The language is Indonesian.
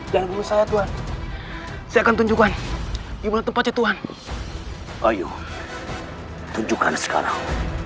jangan dulu saya tuhan saya akan tunjukkan gimana tempatnya tuhan ayo tunjukkan sekarang